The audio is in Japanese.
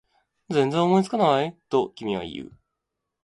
全然思いつかない？と君は言う